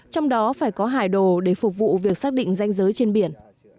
trong đó phải có hải đồ để phục vụ việc xác định danh giới trên biển